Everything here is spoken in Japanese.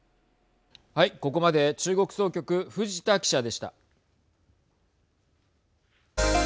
はい、ここまで中国総局藤田記者でした。